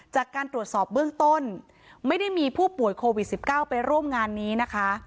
จากการตรวจสอบเบื้องต้นไม่ได้มีผู้ป่วยโควิด๑๙ไปร่วมงานนี้นะคะ